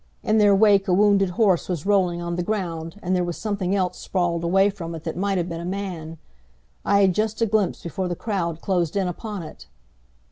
In their wake a wounded horse was rolling on the ground and there was something else sprawled away from it that might have been a man. I had just a glimpse before the crowd closed in upon it.